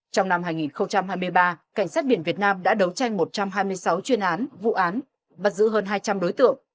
trong năm hai nghìn hai mươi ba cảnh sát biển việt nam đã đấu tranh một trăm hai mươi sáu chuyên án vụ án bắt giữ hơn hai trăm linh đối tượng